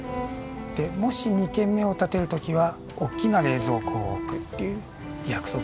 でもし２軒目を建てる時は大きな冷蔵庫を置くっていう約束でした。